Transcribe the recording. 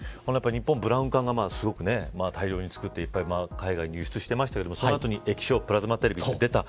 日本はブラウン管をすごく大量に作っていっぱい海外に輸出してましたけどその後に液晶プラズマテレビが出た。